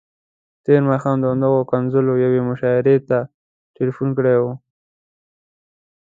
تېر ماښام د همدغو ښکنځلو یوې شاعرې راته تلیفون کړی وو.